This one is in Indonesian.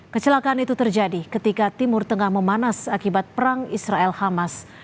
kecelakaan itu terjadi ketika timur tengah memanas akibat perang israel hamas